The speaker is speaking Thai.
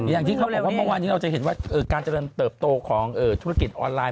อย่างที่เขาบอกว่าเมื่อวานนี้เราจะเห็นว่าการเจริญเติบโตของธุรกิจออนไลน